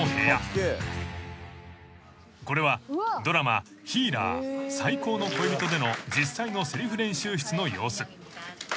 ［これはドラマ『ヒーラー最高の恋人』での実際のせりふ練習室の様子］